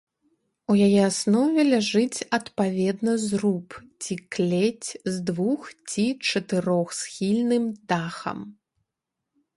У яе аснове ляжыць адпаведна зруб ці клець з двух- ці чатырохсхільным дахам.